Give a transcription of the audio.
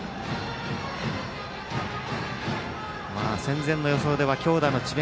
戦前の予想では強打の智弁